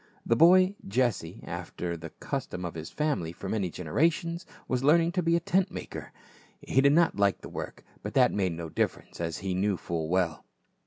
The boy, Jesse, after the custom of his family for many generations, was learning to be a tent maker. He did not like the work, but that made no difference, as he knew full well.